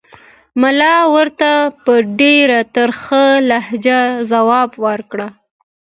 ملا ورته په ډېره ترخه لهجه ځواب ورکړ.